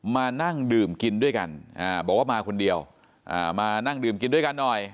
มานั่งดื่มกินด้วยกันบอกว่ามาคนเดียวมานั่งดื่มกินด้วยกันหน่อย